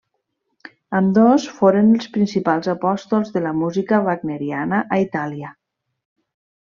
Ambdós foren els principals apòstols de la música wagneriana a Itàlia.